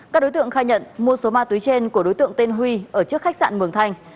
các đối tượng khai nhận mua số ma túy trên của đối tượng tên huy ở trước khách sạn mường thanh